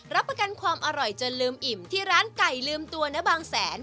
รับประกันความอร่อยจนลืมอิ่มที่ร้านไก่ลืมตัวณบางแสน